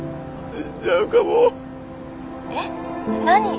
何？